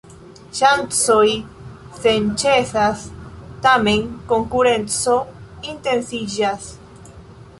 Ŝancoj senĉesas, tamen konkurenco intensiĝas.